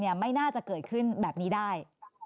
ไม่น่าจะเกิดขึ้นแบบนี้ได้